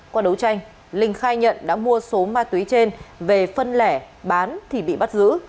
qua đấu tranh linh khai nhận đã mua số ma túy trên về phân lẻ bán thì bị bắt giữ